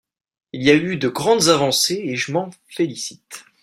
Il y a eu de grandes avancées, et je m’en félicite.